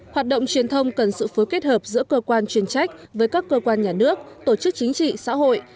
hoạt động truyền thông cần sự phối kết hợp giữa cơ quan chuyên trách với các cơ quan nhà nước tổ chức chính trị xã hội